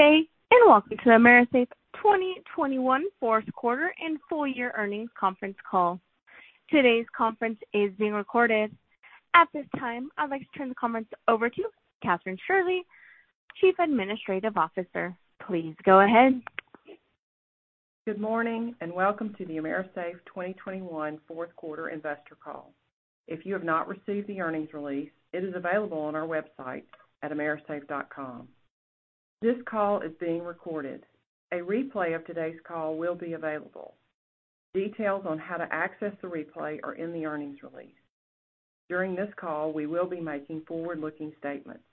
Good day, and welcome to the AMERISAFE 2021 fourth quarter and full year earnings conference call. Today's conference is being recorded. At this time, I'd like to turn the conference over to Kathryn Shirley, Chief Administrative Officer. Please go ahead. Good morning, and welcome to the AMERISAFE 2021 fourth quarter investor call. If you have not received the earnings release, it is available on our website at amerisafe.com. This call is being recorded. A replay of today's call will be available. Details on how to access the replay are in the earnings release. During this call, we will be making forward-looking statements.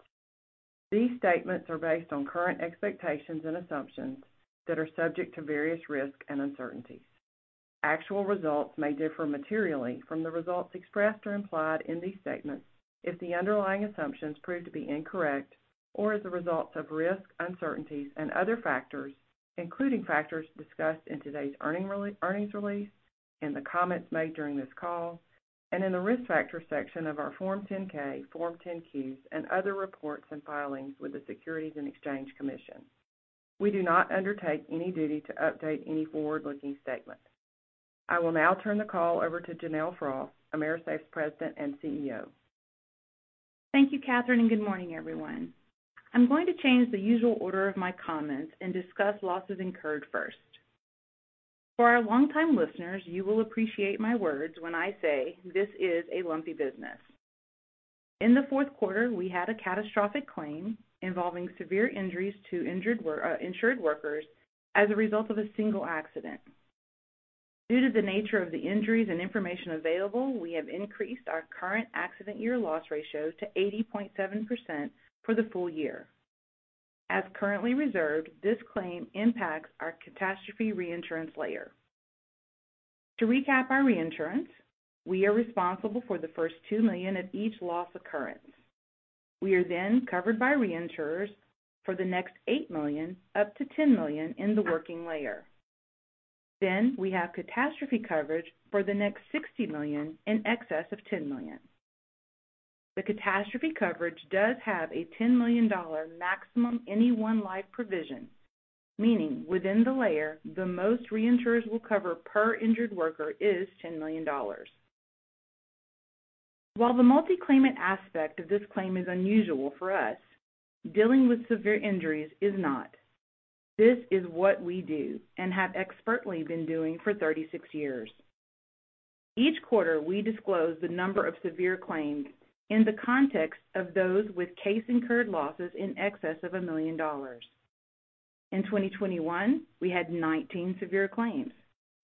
These statements are based on current expectations and assumptions that are subject to various risks and uncertainties. Actual results may differ materially from the results expressed or implied in these statements if the underlying assumptions prove to be incorrect or as a result of risks, uncertainties and other factors, including factors discussed in today's earnings release, in the comments made during this call, and in the Risk Factors section of our Form 10-K, Form 10-Qs and other reports and filings with the Securities and Exchange Commission. We do not undertake any duty to update any forward-looking statement. I will now turn the call over to Janelle Frost, AMERISAFE's President and CEO. Thank you, Kathryn, and good morning, everyone. I'm going to change the usual order of my comments and discuss losses incurred first. For our longtime listeners, you will appreciate my words when I say this is a lumpy business. In the fourth quarter, we had a catastrophic claim involving severe injuries to insured workers as a result of a single accident. Due to the nature of the injuries and information available, we have increased our current accident year loss ratio to 80.7% for the full year. As currently reserved, this claim impacts our catastrophe reinsurance layer. To recap our reinsurance, we are responsible for the first $2 million of each loss occurrence. We are covered by reinsurers for the next $8 million, up to $10 million in the working layer. We have catastrophe coverage for the next $60 million in excess of $10 million. The catastrophe coverage does have a $10 million maximum any one life provision, meaning within the layer, the most reinsurers will cover per injured worker is $10 million. While the multi-claimant aspect of this claim is unusual for us, dealing with severe injuries is not. This is what we do and have expertly been doing for 36 years. Each quarter, we disclose the number of severe claims in the context of those with case-incurred losses in excess of $1 million. In 2021, we had 19 severe claims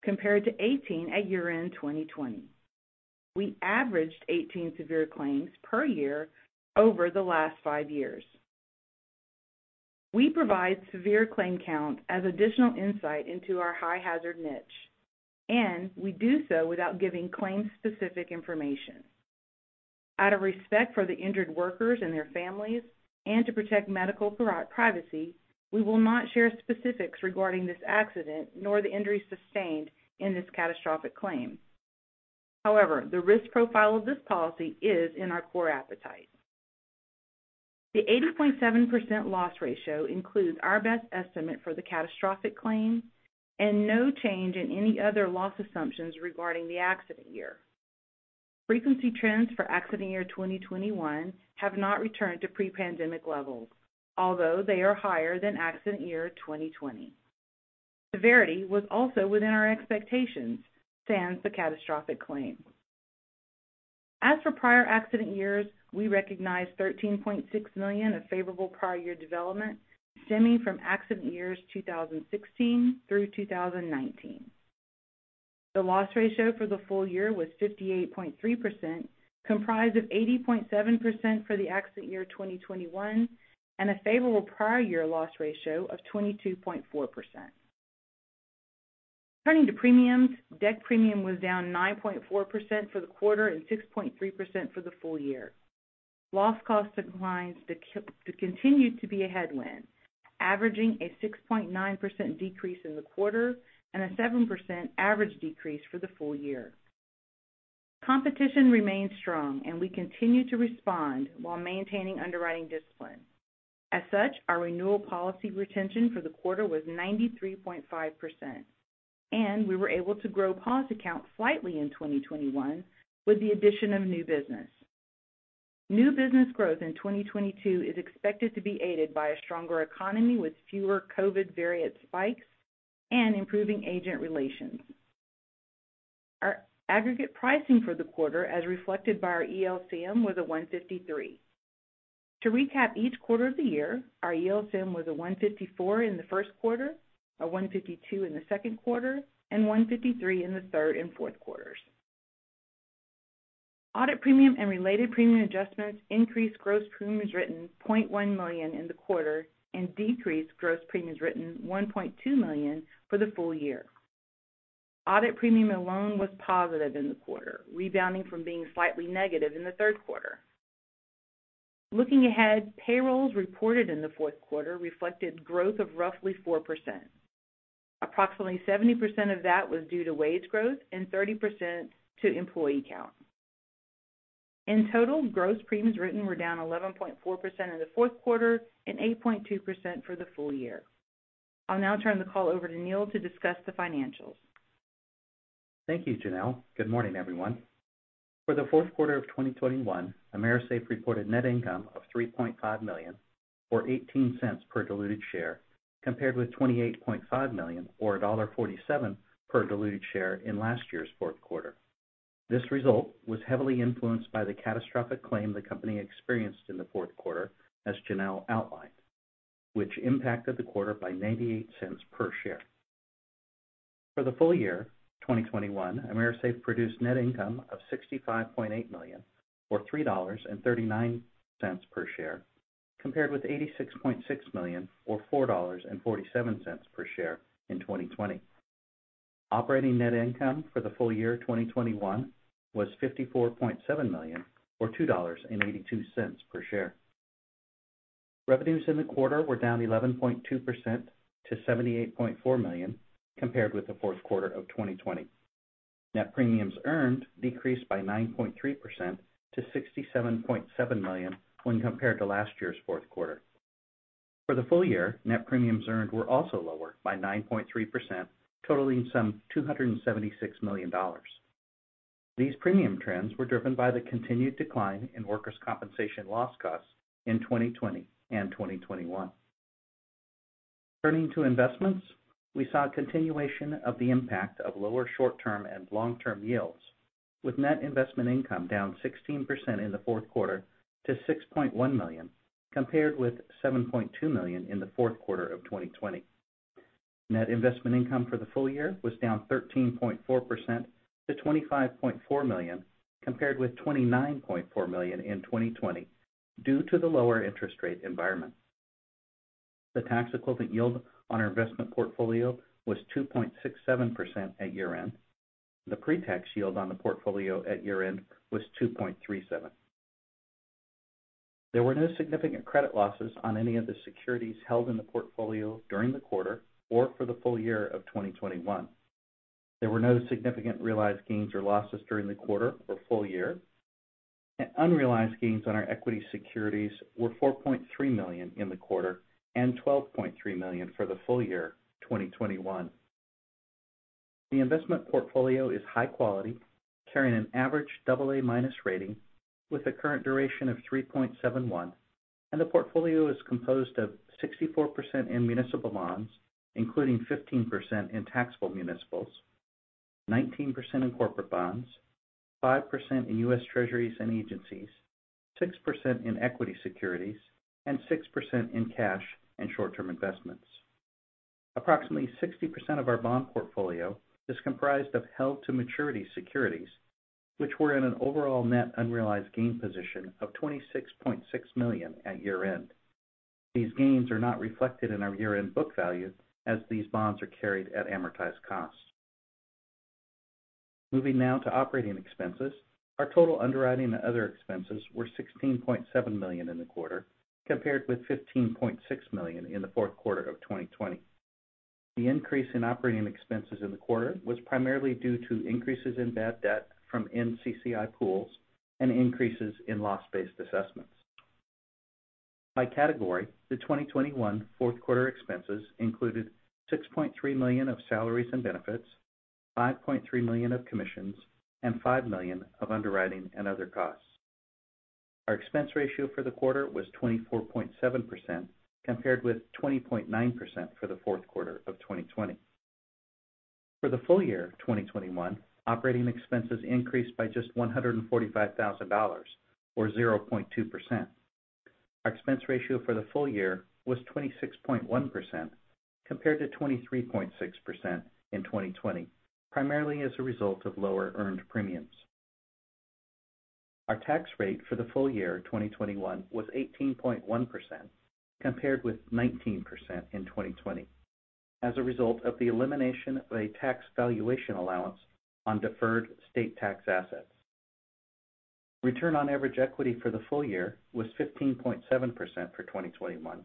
compared to 18 at year-end 2020. We averaged 18 severe claims per year over the last five years. We provide severe claim count as additional insight into our high-hazard niche, and we do so without giving claim-specific information. Out of respect for the injured workers and their families and to protect medical privacy, we will not share specifics regarding this accident, nor the injuries sustained in this catastrophic claim. The risk profile of this policy is in our core appetite. The 80.7% loss ratio includes our best estimate for the catastrophic claim and no change in any other loss assumptions regarding the accident year. Frequency trends for accident year 2021 have not returned to pre-pandemic levels, although they are higher than accident year 2020. Severity was also within our expectations, sans the catastrophic claim. As for prior accident years, we recognized $13.6 million of favorable prior year development stemming from accident years 2016 through 2019. The loss ratio for the full year was 58.3%, comprised of 80.7% for the accident year 2021, and a favorable prior year loss ratio of 22.4%. Turning to premiums, direct premium was down 9.4% for the quarter and 6.3% for the full year. Loss cost declines continued to be a headwind, averaging a 6.9% decrease in the quarter and a 7% average decrease for the full year. Competition remains strong, and we continue to respond while maintaining underwriting discipline. Our renewal policy retention for the quarter was 93.5%, and we were able to grow policy count slightly in 2021 with the addition of new business. New business growth in 2022 is expected to be aided by a stronger economy with fewer COVID variant spikes and improving agent relations. Our aggregate pricing for the quarter, as reflected by our ELCM, was a 153. To recap each quarter of the year, our ELCM was a 154 in the first quarter, a 152 in the second quarter, and 153 in the third and fourth quarters. Audit premium and related premium adjustments increased gross premiums written $0.1 million in the quarter and decreased gross premiums written $1.2 million for the full year. Audit premium alone was positive in the quarter, rebounding from being slightly negative in the third quarter. Looking ahead, payrolls reported in the fourth quarter reflected growth of roughly 4%. Approximately 70% of that was due to wage growth and 30% to employee count. In total, gross premiums written were down 11.4% in the fourth quarter and 8.2% for the full year. I'll now turn the call over to Neal to discuss the financials. Thank you, Janelle. Good morning, everyone. For the fourth quarter of 2021, AMERISAFE reported net income of $3.5 million, or $0.18 per diluted share, compared with $28.5 million or $1.47 per diluted share in last year's fourth quarter. This result was heavily influenced by the catastrophic claim the company experienced in the fourth quarter, as Janelle outlined, which impacted the quarter by $0.98 per share. For the full year 2021, AMERISAFE produced net income of $65.8 million, or $3.39 per share, compared with $86.6 million or $4.47 per share in 2020. Operating net income for the full year 2021 was $54.7 million, or $2.82 per share. Revenues in the quarter were down 11.2% to $78.4 million, compared with the fourth quarter of 2020. Net premiums earned decreased by 9.3% to $67.7 million when compared to last year's fourth quarter. For the full year, net premiums earned were also lower by 9.3%, totaling some $276 million. These premium trends were driven by the continued decline in workers' compensation loss costs in 2020 and 2021. Turning to investments, we saw a continuation of the impact of lower short-term and long-term yields, with net investment income down 16% in the fourth quarter to $6.1 million, compared with $7.2 million in the fourth quarter of 2020. Net investment income for the full year was down 13.4% to $25.4 million, compared with $29.4 million in 2020, due to the lower interest rate environment. The tax-equivalent yield on our investment portfolio was 2.67% at year-end. The pre-tax yield on the portfolio at year-end was 2.37%. There were no significant credit losses on any of the securities held in the portfolio during the quarter or for the full year of 2021. There were no significant realized gains or losses during the quarter or full year, and unrealized gains on our equity securities were $4.3 million in the quarter and $12.3 million for the full year 2021. The investment portfolio is high quality, carrying an average AA-minus rating with a current duration of 3.71, and the portfolio is composed of 64% in municipal bonds, including 15% in taxable municipals, 19% in corporate bonds, 5% in U.S. Treasuries and agencies, 6% in equity securities, and 6% in cash and short-term investments. Approximately 60% of our bond portfolio is comprised of held-to-maturity securities, which were in an overall net unrealized gain position of $26.6 million at year-end. These gains are not reflected in our year-end book value as these bonds are carried at amortized costs. Moving now to operating expenses. Our total underwriting and other expenses were $16.7 million in the quarter, compared with $15.6 million in the fourth quarter of 2020. The increase in operating expenses in the quarter was primarily due to increases in bad debt from NCCI pools and increases in loss-based assessments. By category, the 2021 fourth quarter expenses included $6.3 million of salaries and benefits, $5.3 million of commissions, and $5 million of underwriting and other costs. Our expense ratio for the quarter was 24.7%, compared with 20.9% for the fourth quarter of 2020. For the full year 2021, operating expenses increased by just $145,000, or 0.2%. Our expense ratio for the full year was 26.1%, compared to 23.6% in 2020, primarily as a result of lower earned premiums. Our tax rate for the full year 2021 was 18.1%, compared with 19% in 2020, as a result of the elimination of a tax valuation allowance on deferred state tax assets. Return on average equity for the full year was 15.7% for 2021,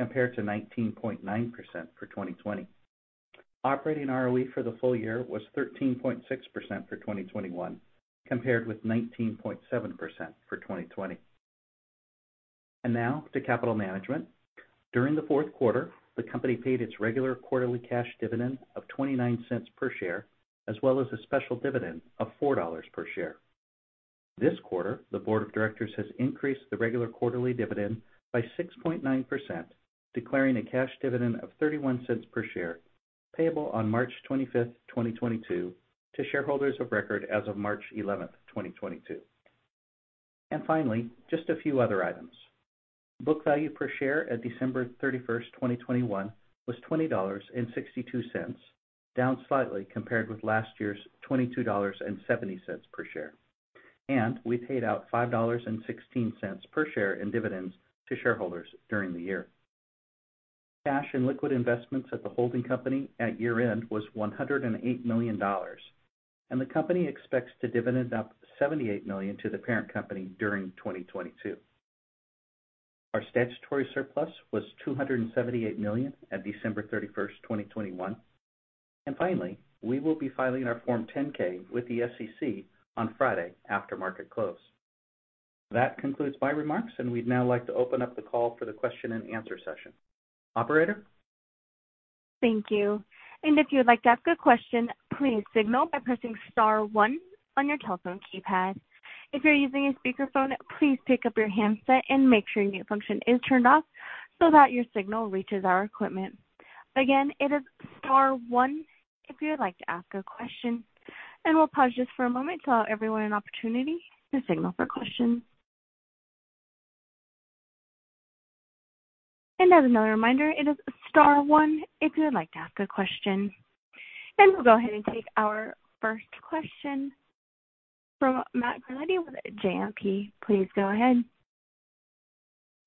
compared to 19.9% for 2020. Operating ROE for the full year was 13.6% for 2021, compared with 19.7% for 2020. Now to capital management. During the fourth quarter, the company paid its regular quarterly cash dividend of $0.29 per share, as well as a special dividend of $4 per share. This quarter, the board of directors has increased the regular quarterly dividend by 6.9%, declaring a cash dividend of $0.31 per share, payable on March 25th, 2022, to shareholders of record as of March 11th, 2022. Finally, just a few other items. Book value per share at December 31st, 2021, was $20.62, down slightly compared with last year's $22.70 per share. We paid out $5.16 per share in dividends to shareholders during the year. Cash and liquid investments at the holding company at year-end was $108 million. The company expects to dividend up $78 million to the parent company during 2022. Our statutory surplus was $278 million at December 31st, 2021. Finally, we will be filing our Form 10-K with the SEC on Friday after market close. That concludes my remarks. We'd now like to open up the call for the question and answer session. Operator? Thank you. If you would like to ask a question, please signal by pressing star one on your telephone keypad. If you're using a speakerphone, please pick up your handset and make sure mute function is turned off so that your signal reaches our equipment. Again, it is star one if you would like to ask a question. We'll pause just for a moment to allow everyone an opportunity to signal for questions. As another reminder, it is star one if you would like to ask a question. We'll go ahead and take our first question from Matt Carletti with JMP. Please go ahead.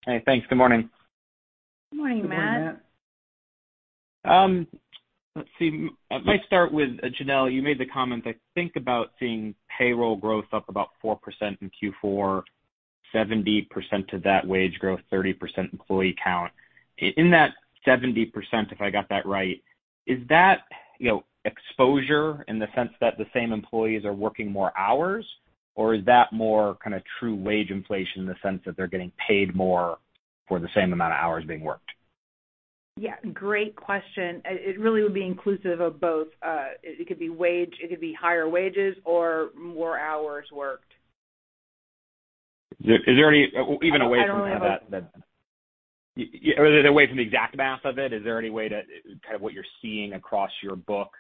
Hey, thanks. Good morning. Good morning, Matt. Good morning, Matt. Let's see. If I start with Janelle, you made the comment, I think about seeing payroll growth up about 4% in Q4, 70% of that wage growth, 30% employee count. In that 70%, if I got that right, is that exposure in the sense that the same employees are working more hours? Is that more kind of true wage inflation in the sense that they're getting paid more for the same amount of hours being worked? Yeah. Great question. It really would be inclusive of both. It could be higher wages or more hours worked. Is there any, even away from- I don't have a- Away from the exact math of it, is there any way to, kind of what you're seeing across your book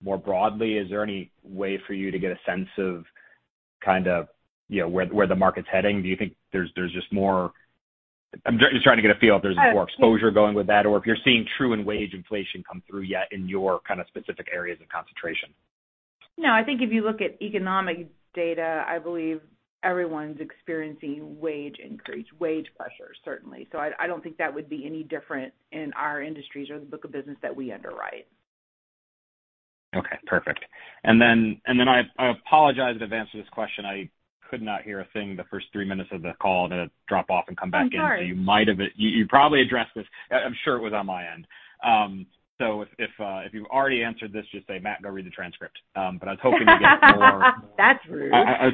more broadly, is there any way for you to get a sense of where the market's heading? Do you think there's just more I'm just trying to get a feel if there's more exposure going with that or if you're seeing true and wage inflation come through yet in your kind of specific areas of concentration. No, I think if you look at economic data, I believe everyone's experiencing wage increase, wage pressures, certainly. I don't think that would be any different in our industries or the book of business that we underwrite. Okay, perfect. I apologize in advance for this question. I could not hear a thing the first three minutes of the call, and it dropped off and come back in. I'm sorry. You probably addressed this. I'm sure it was on my end. If you've already answered this, just say, "Matt, go read the transcript." I was hoping to get more- That's rude. I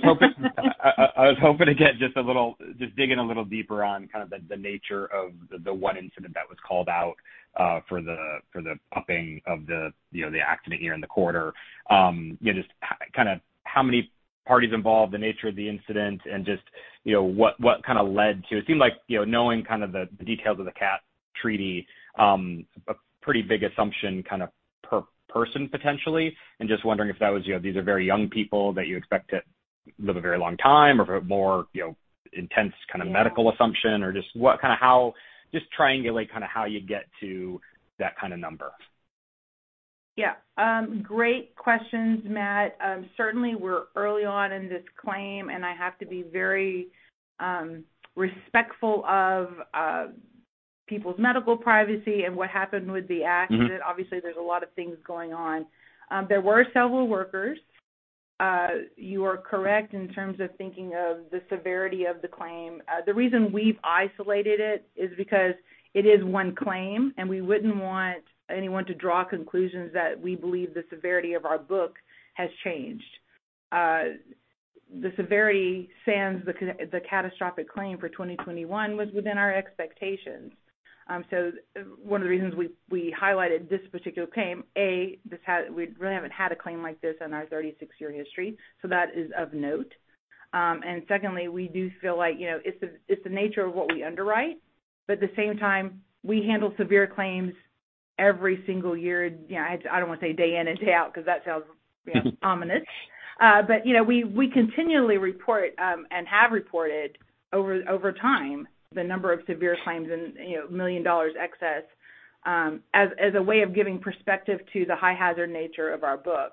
was hoping to dig in a little deeper on kind of the nature of the one incident that was called out for the upping of the accident here in the quarter. Just kind of how many parties involved, the nature of the incident, and just what kind of led to, it seemed like, knowing kind of the details of the CAT treaty, a pretty big assumption kind of per person, potentially. Just wondering if that was, these are very young people that you expect to live a very long time or a more intense kind of medical assumption, or just triangulate kind of how you get to that kind of number. Yeah. Great questions, Matt. Certainly, we're early on in this claim, and I have to be very respectful of people's medical privacy and what happened with the accident. Obviously, there's a lot of things going on. There were several workers. You are correct in terms of thinking of the severity of the claim. The reason we've isolated it is because it is one claim, and we wouldn't want anyone to draw conclusions that we believe the severity of our book has changed. The severity, sans the catastrophic claim for 2021, was within our expectations. One of the reasons we highlighted this particular claim, A, we really haven't had a claim like this in our 36-year history, so that is of note. Secondly, we do feel like it's the nature of what we underwrite. At the same time, we handle severe claims every single year. I don't want to say day in and day out because that sounds ominous. We continually report, and have reported over time, the number of severe claims in $ million excess, as a way of giving perspective to the high-hazard nature of our book.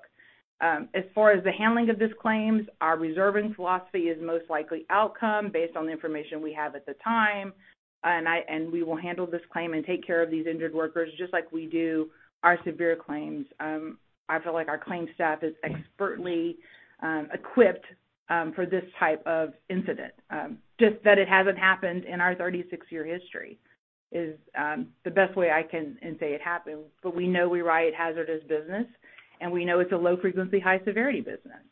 As far as the handling of this claim, our reserving philosophy is most likely outcome based on the information we have at the time. We will handle this claim and take care of these injured workers just like we do our severe claims. I feel like our claims staff is expertly equipped for this type of incident. Just that it hasn't happened in our 36-year history is the best way I can say it happened. We know we write hazardous business, and we know it's a low-frequency, high-severity business.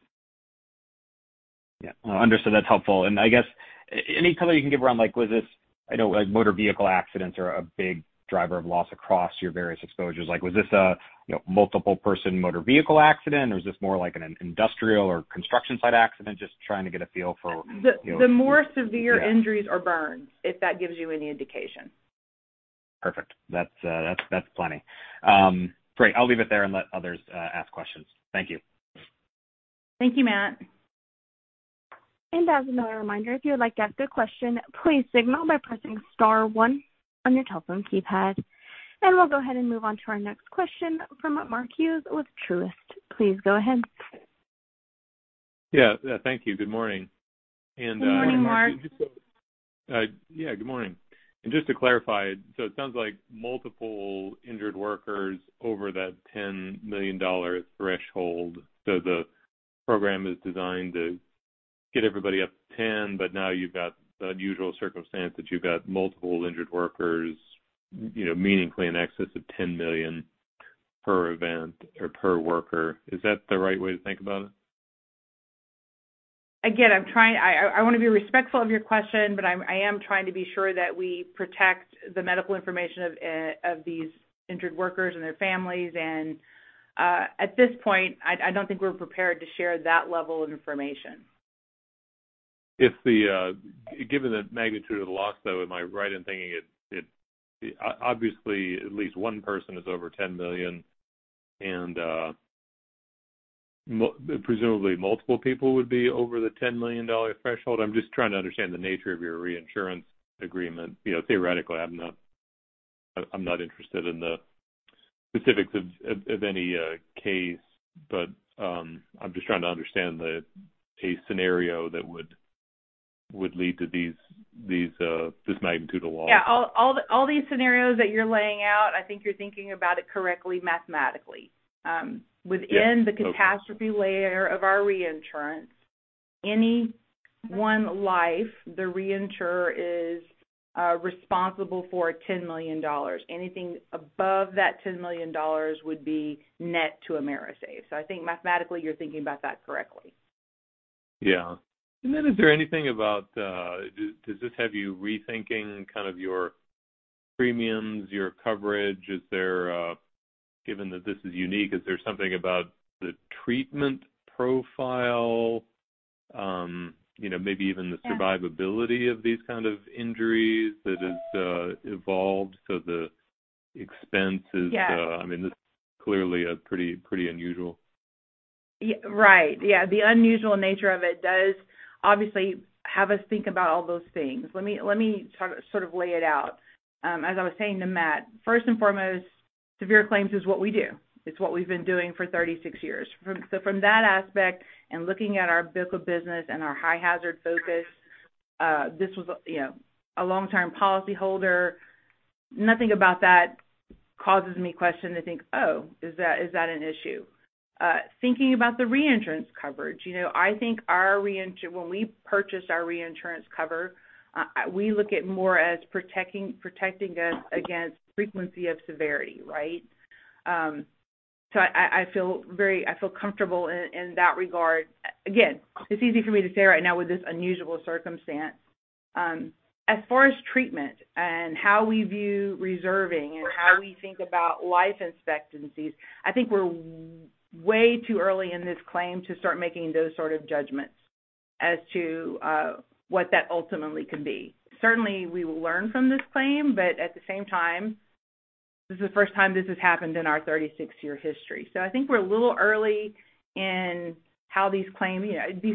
Yeah. No, understood. That's helpful. I guess any color you can give around, like, was this, I know like motor vehicle accidents are a big driver of loss across your various exposures. Was this a multiple-person motor vehicle accident or is this more like an industrial or construction site accident? Just trying to get a feel for- The more severe injuries are burns, if that gives you any indication. Perfect. That's plenty. Great. I'll leave it there and let others ask questions. Thank you. Thank you, Matt. As another reminder, if you would like to ask a question, please signal by pressing star one on your telephone keypad. We'll go ahead and move on to our next question from Mark Hughes with Truist. Please go ahead. Yeah. Thank you. Good morning. Good morning, Mark. Good morning. Just to clarify, it sounds like multiple injured workers over that $10 million threshold. The program is designed to get everybody up to $10 million, now you've got the unusual circumstance that you've got multiple injured workers meaningfully in excess of $10 million per event or per worker. Is that the right way to think about it? Again, I want to be respectful of your question, I am trying to be sure that we protect the medical information of these injured workers and their families. At this point, I don't think we're prepared to share that level of information. Given the magnitude of the loss, though, am I right in thinking, obviously at least one person is over $10 million, presumably multiple people would be over the $10 million threshold? I'm just trying to understand the nature of your reinsurance agreement. Theoretically, I'm not interested in the specifics of any case, I'm just trying to understand the case scenario that would lead to this magnitude of loss. All these scenarios that you're laying out, I think you're thinking about it correctly mathematically. Yes. Okay. Within the catastrophe layer of our reinsurance, any one life, the reinsurer is responsible for $10 million. Anything above that $10 million would be net to AMERISAFE. I think mathematically you're thinking about that correctly. Yeah. Is there anything about, does this have you rethinking your premiums, your coverage? Given that this is unique, is there something about the treatment profile, maybe even the survivability of these kind of injuries that has evolved? Yeah This is clearly pretty unusual. Right. Yeah. The unusual nature of it does obviously have us think about all those things. Let me lay it out. As I was saying to Matt, first and foremost, severe claims is what we do. It's what we've been doing for 36 years. From that aspect and looking at our book of business and our high-hazard focus, this was a long-term policy holder. Nothing about that causes me question to think, "Oh, is that an issue?" Thinking about the reinsurance coverage, when we purchase our reinsurance cover, we look at more as protecting us against frequency of severity, right? I feel comfortable in that regard. Again, it's easy for me to say right now with this unusual circumstance. As far as treatment and how we view reserving and how we think about life expectancies, I think we're way too early in this claim to start making those sort of judgments as to what that ultimately can be. Certainly, we will learn from this claim, but at the same time, this is the first time this has happened in our 36-year history. I think we're a little early in how these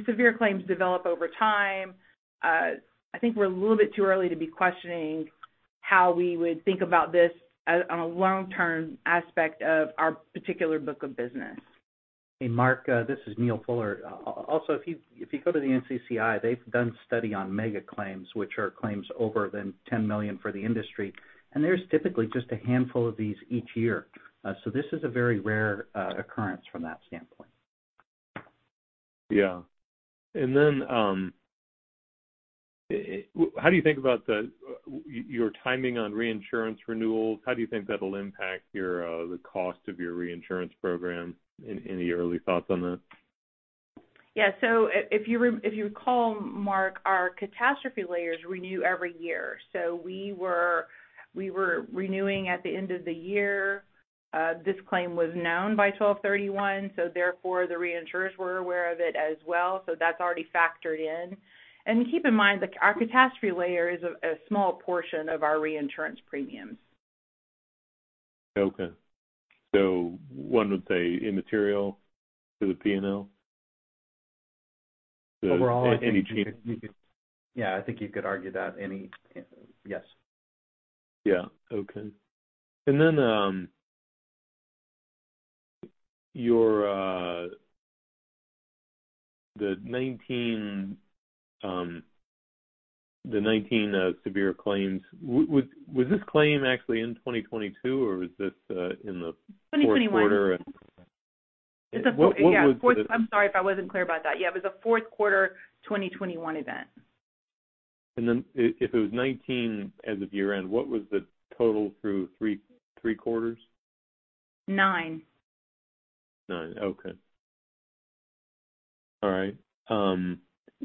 severe claims develop over time. I think we're a little bit too early to be questioning how we would think about this on a long-term aspect of our particular book of business. Hey, Mark, this is Neal Fuller. If you go to the NCCI, they've done study on mega claims, which are claims over $10 million for the industry, and there's typically just a handful of these each year. This is a very rare occurrence from that standpoint. Yeah. How do you think about your timing on reinsurance renewals? How do you think that'll impact the cost of your reinsurance program? Any early thoughts on that? Yeah. If you recall, Mark, our catastrophe layers renew every year. We were renewing at the end of the year. This claim was known by 12/31, therefore the reinsurers were aware of it as well. That's already factored in. Keep in mind, our catastrophe layer is a small portion of our reinsurance premiums. Okay. One would say immaterial to the P&L? Any change- Overall, yeah, I think you could argue that any Yes. Yeah. Okay. Then, the 19 severe claims, was this claim actually in 2022, or was this in the fourth quarter? 2021. What was the Yeah. I'm sorry if I wasn't clear about that. Yeah, it was a fourth quarter 2021 event. If it was 19 as of year-end, what was the total through three quarters? Nine. Nine. Okay. All right.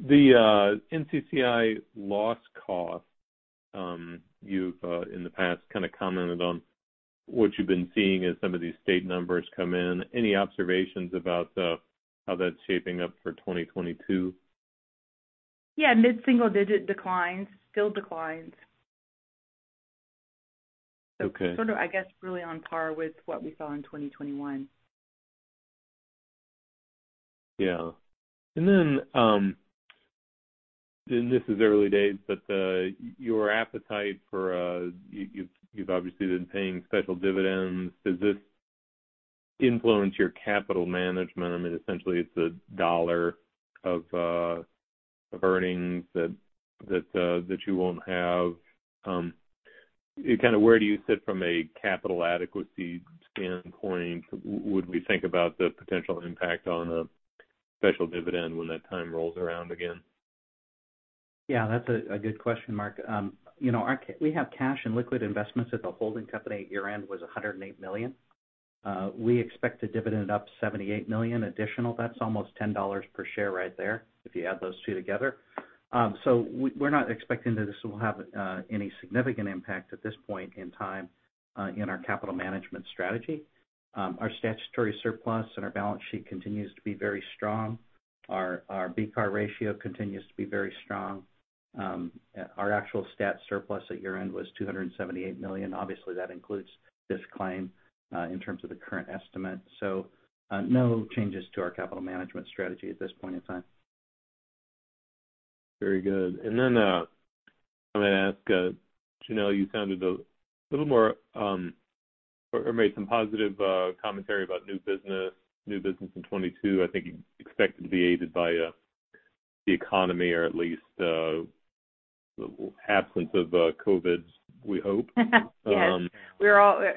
The NCCI loss cost, you've in the past kind of commented on what you've been seeing as some of these state numbers come in. Any observations about how that's shaping up for 2022? Yeah. Mid-single digit declines. Still declines. Okay. I guess really on par with what we saw in 2021. Yeah. This is early days, but your appetite. You've obviously been paying special dividends. Does this influence your capital management? I mean, essentially, it's $1 of earnings that you won't have. Kind of where do you sit from a capital adequacy standpoint? Would we think about the potential impact on a special dividend when that time rolls around again? Yeah, that's a good question, Mark. We have cash and liquid investments at the holding company at year-end was $108 million. We expect to dividend up $78 million additional. That's almost $10 per share right there if you add those two together. We're not expecting that this will have any significant impact at this point in time in our capital management strategy. Our statutory surplus and our balance sheet continues to be very strong. Our BCAR ratio continues to be very strong. Our actual stat surplus at year-end was $278 million. Obviously, that includes this claim in terms of the current estimate. No changes to our capital management strategy at this point in time. Very good. I'm going to ask, Janelle, you sounded a little more, or made some positive commentary about new business in 2022. I think you expect it to be aided by the economy or at least the absence of COVID, we hope. Yes.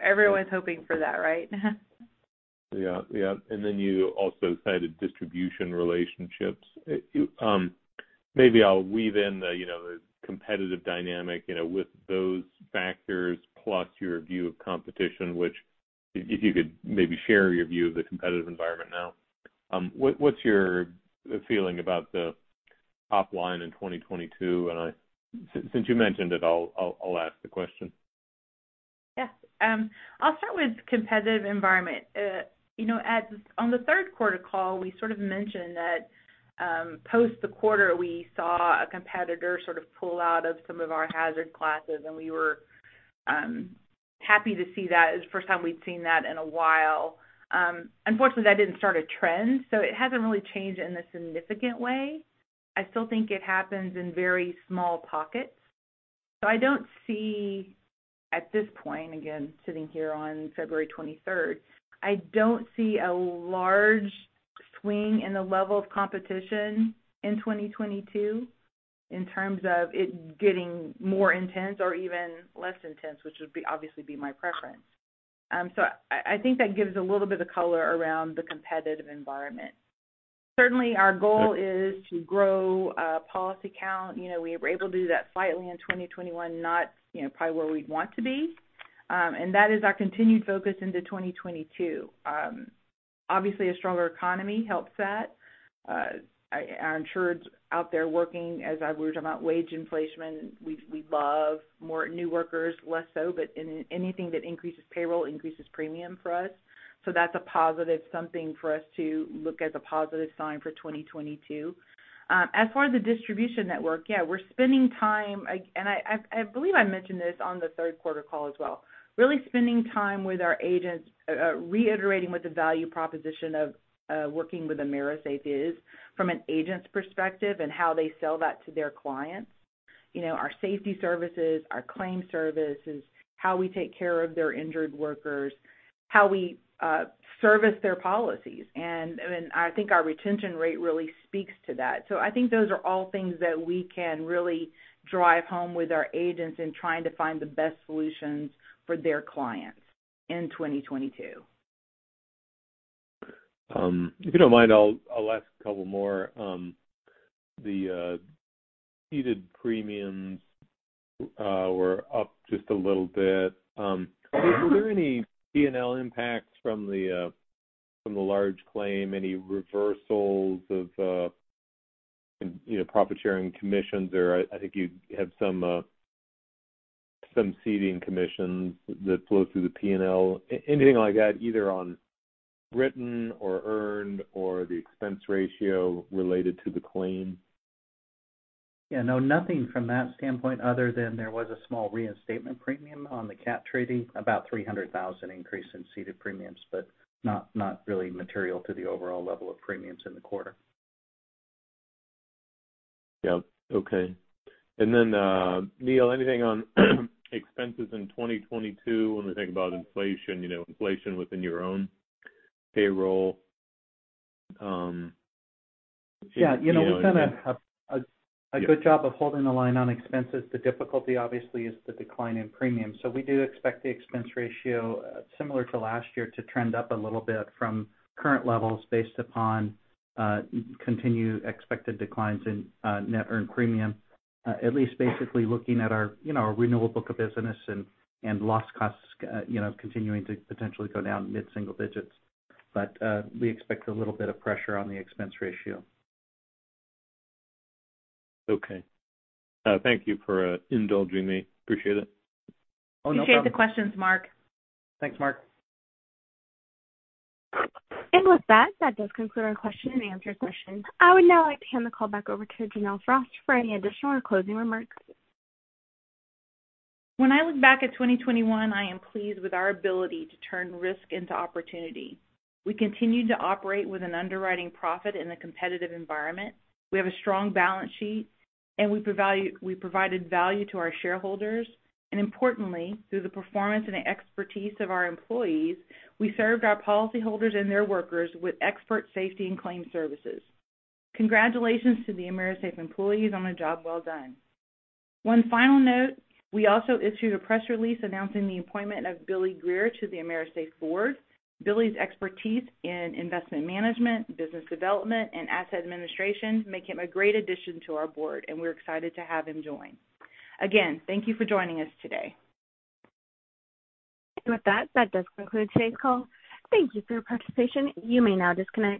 Everyone's hoping for that, right? Yeah. You also cited distribution relationships. Maybe I'll weave in the competitive dynamic with those factors plus your view of competition, which if you could maybe share your view of the competitive environment now. What's your feeling about the top line in 2022? Since you mentioned it, I'll ask the question. Yes. I'll start with competitive environment. On the third quarter call, we sort of mentioned that post the quarter, we saw a competitor sort of pull out of some of our hazard classes, we were happy to see that. It was the first time we'd seen that in a while. Unfortunately, that didn't start a trend, it hasn't really changed in a significant way. I still think it happens in very small pockets. I don't see at this point, again, sitting here on February 23rd, I don't see a large swing in the level of competition in 2022 in terms of it getting more intense or even less intense, which would obviously be my preference. I think that gives a little bit of color around the competitive environment. Certainly, our goal is to grow policy count. We were able to do that slightly in 2021, not probably where we'd want to be. That is our continued focus into 2022. Obviously, a stronger economy helps that. Our insureds out there working, as we were talking about wage inflation, we love more new workers, less so, but anything that increases payroll increases premium for us. That's a positive something for us to look as a positive sign for 2022. As far as the distribution network, yeah, we're spending time, and I believe I mentioned this on the third quarter call as well, really spending time with our agents reiterating what the value proposition of working with AMERISAFE is from an agent's perspective and how they sell that to their clients. Our safety services, our claim services, how we take care of their injured workers, how we service their policies. I think our retention rate really speaks to that. I think those are all things that we can really drive home with our agents in trying to find the best solutions for their clients in 2022. If you don't mind, I'll ask a couple more. The ceded premiums were up just a little bit. Were there any P&L impacts from the large claim? Any reversals of profit-sharing commissions? I think you have some ceding commissions that flow through the P&L. Anything like that, either on written or earned or the expense ratio related to the claim? Yeah, no, nothing from that standpoint other than there was a small reinstatement premium on the cat treaty, about $300,000 increase in ceded premiums, not really material to the overall level of premiums in the quarter. Okay. Neal, anything on expenses in 2022 when we think about inflation within your own payroll? Yeah. We've done a good job of holding the line on expenses. The difficulty, obviously, is the decline in premiums. We do expect the expense ratio, similar to last year, to trend up a little bit from current levels based upon continued expected declines in net earned premium. At least basically looking at our renewable book of business and loss costs continuing to potentially go down mid-single digits. We expect a little bit of pressure on the expense ratio. Okay. Thank you for indulging me. Appreciate it. Oh, no problem. Appreciate the questions, Mark. Thanks, Mark. With that does conclude our question and answer session. I would now like to hand the call back over to Janelle Frost for any additional or closing remarks. When I look back at 2021, I am pleased with our ability to turn risk into opportunity. We continued to operate with an underwriting profit in a competitive environment. We have a strong balance sheet, and we provided value to our shareholders. Importantly, through the performance and the expertise of our employees, we served our policyholders and their workers with expert safety and claim services. Congratulations to the AMERISAFE employees on a job well done. One final note, we also issued a press release announcing the appointment of Billy Greer to the AMERISAFE board. Billy's expertise in investment management, business development, and asset administration make him a great addition to our board, and we're excited to have him join. Again, thank you for joining us today. With that does conclude today's call. Thank you for your participation. You may now disconnect.